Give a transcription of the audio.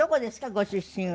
ご出身は。